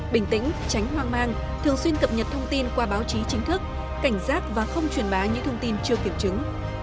bình tĩnh tránh hoang mang thường xuyên cập nhật thông tin qua báo chí chính thức cảnh giác và không truyền bá những thông tin chưa kiểm chứng